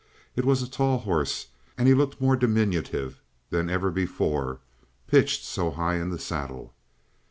It was a tall horse, and he looked more diminutive than ever before, pitched so high in the saddle.